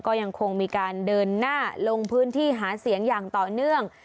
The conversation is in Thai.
ก็ยังคงมีการเดินหน้าลงพื้นที่หาเสียงอย่างต่อเนื่อง